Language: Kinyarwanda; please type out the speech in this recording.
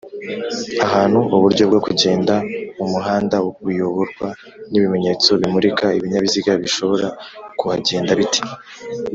ahantu uburyo bwo kugenda mumuhanda buyoborwa n’ibimenyetso bimurika Ibinyabiziga bishobora kuhagenda bite